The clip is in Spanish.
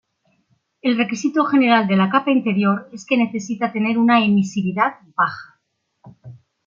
El requisito general de la capa interior es que necesita tener una emisividad baja.